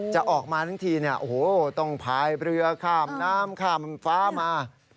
จะออกมาทั้งทีตรงภายเรือข้ามน้ำข้ามฟ้ามา